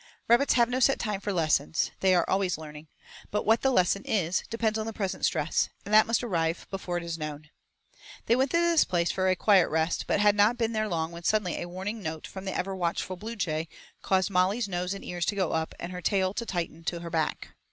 Rabbits have no set time for lessons, they are always learning; but what the lesson is depends on the present stress, and that must arrive before it is known. They went to this place for a quiet rest, but had not been long there when suddenly a warning note from the ever watchful bluejay caused Molly's nose and ears to go up and her tail to tighten to her back.